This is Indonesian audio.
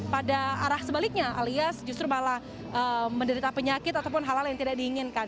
pada arah sebaliknya alias justru malah menderita penyakit ataupun hal hal yang tidak diinginkan